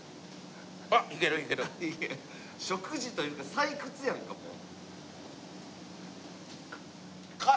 食事というか採掘やんかもう。